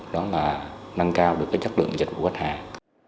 đó là nâng cao được cái chất lượng dịch vụ khách hàng